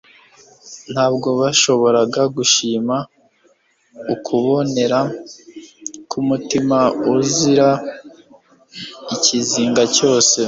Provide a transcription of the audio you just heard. Ntabwo bashoboraga gushima ukubonera k'umutima uzira ikizinga cyose.